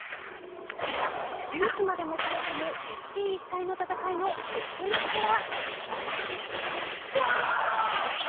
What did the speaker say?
デュースまでもつれ込む一進一退の戦いの結末は。